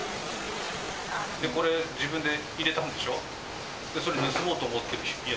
これ、自分で入れたんでしょ？